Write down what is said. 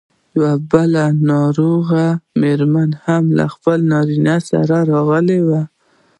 یوه بله ناروغه مېرمن هم له خپل نارینه سره راغلې وه.